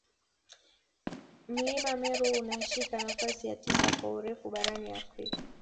Mlima Meru unashika nafasi ya tisa kwa urefu barani Afrika